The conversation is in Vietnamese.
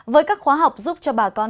với các khóa học giúp cho bà con